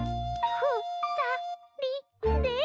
ふ・た・り・で！